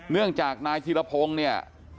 เนื่องจากนายธีรพงศ์เนี่ย